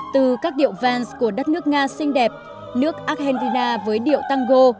từ các điệu vans của đất nước nga xinh đẹp nước argentina với điệu tango